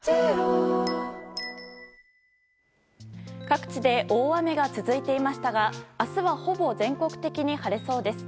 各地で大雨が続いていましたが明日はほぼ全国的に晴れそうです。